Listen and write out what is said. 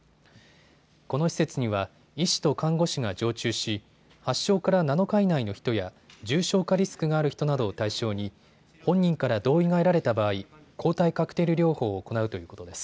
この施設には医師と看護師が常駐し発症から７日以内の人や重症化リスクがある人などを対象に本人から同意が得られた場合、抗体カクテル療法を行うということです。